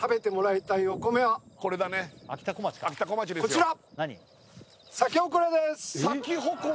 こちら！